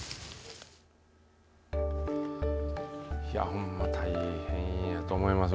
ほんま、大変やと思います。